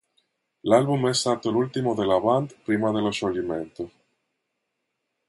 L'album è stato l'ultimo della band prima dello scioglimento.